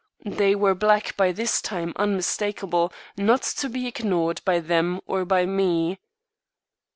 _ They were black by this time unmistakable not to be ignored by them or by me.